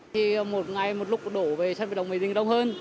thì một ngày một lúc đổ về sân vận động mỹ đình đông hơn